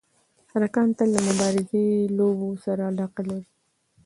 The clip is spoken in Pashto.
هلکان تل د مبارزې لوبو سره علاقه لري.